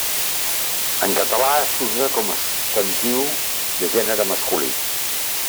En català s'usa com a substantiu de gènere masculí.